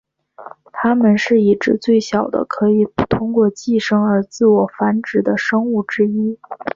它们是已知最小的可以不通过寄生而自我繁殖的生物之一。